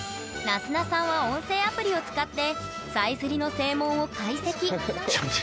なづなさんは音声アプリを使ってさえずりの声紋を解析。